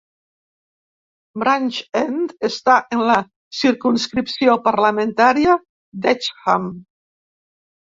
Branch End està en la circumscripció parlamentària d'Hexham.